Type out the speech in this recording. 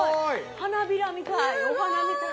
花びらみたいお花みたい。